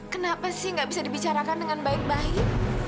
kenapa sih nggak bisa dibicarakan dengan baik baik